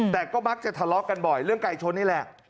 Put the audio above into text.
แต่ก็มักจะทะเลาะกันบ่อยเรื่องไก่ชนนี่แหละ